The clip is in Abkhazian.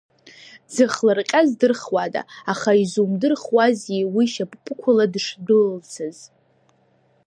Дзыхлырҟьа здырхуада, аха изумдырхуази уи шьапԥықәла дышдәылылцаз.